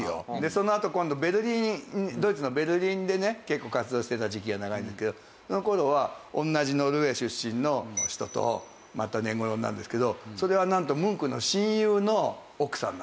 そのあと今度ベルリンドイツのベルリンでね結構活動してた時期が長いんですけどその頃は同じノルウェー出身の人とまた懇ろになるんですけどそれはなんとムンクの親友の奥さんなんですよ。